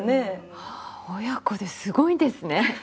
あぁ親子ですごいですね。